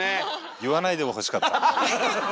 言わないでほしかった。